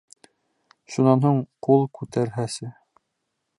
Шунан һуң ҡул күтәрһәсе!